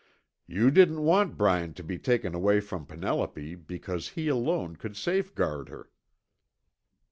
"You didn't want Bryant to be taken away from Penelope because he alone could safeguard her."